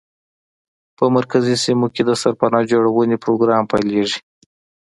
په مرکزي سیمو کې د سرپناه جوړونې پروګرام پیلېږي.